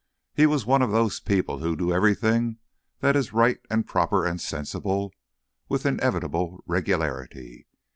He was one of those people who do everything that is right and proper and sensible with inevitable regularity.